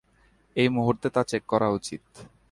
এই মুহূর্তে তা চেক করা উচিত।